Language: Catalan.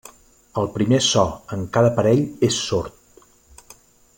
El primer so en cada parell és sord.